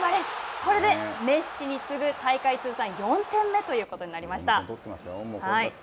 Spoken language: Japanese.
これでメッシに次ぐ大会通算４点目ということになりました。